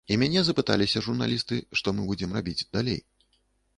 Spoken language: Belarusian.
І мяне запыталіся журналісты, што мы будзем рабіць далей.